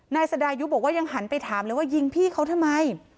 นายสดายุบอกว่ายังหันไปถามเลยว่ายิงพี่เขาทำไม